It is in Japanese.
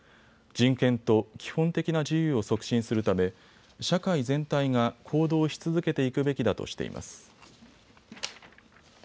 人権と基本的な自由を促進するため社会全体が行動し続けていくべきだとしています。